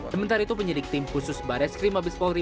sementara itu penyidik tim khusus baras krim mabat polri